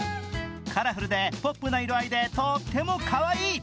カラフルでポップな色合いでとってもかわいい。